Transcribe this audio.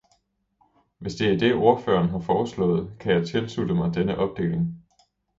Hvis det er det, ordføreren har foreslået, kan jeg tilslutte mig denne opdeling.